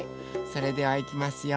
それではいきますよ。